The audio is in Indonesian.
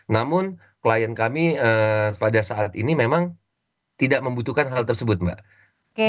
namun klien kami pada saat ini memang tidak membutuhkan hal tersebut mbak